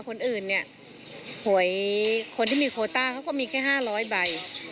คือคนที่มีโค้ต้าเขาก็มีแค่๕๐๐ใบ